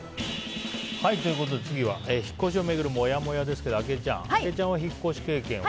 次は引っ越しを巡るモヤモヤですけどあきえちゃんは引っ越し経験は？